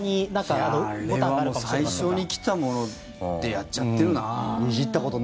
あれは最初に来たものでやっちゃってるな。